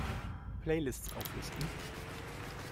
Playlists auflisten!